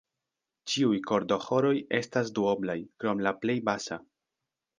Ĉiuj kordoĥoroj estas duoblaj, krom la La plej basa.